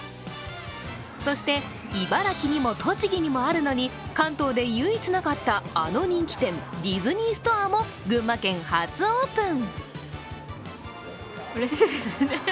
そして、茨城にも栃木にもあるのに関東で唯一なかったあの人気店、ディズニーストアも群馬県初オープン。